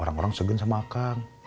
orang orang segen sama aku